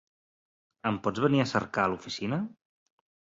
Em pots venir a cercar a l'oficina?